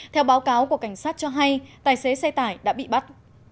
theo báo cáo của cảnh sát cho hay tài xế xe tải đã bị bắt